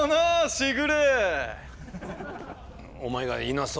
時雨。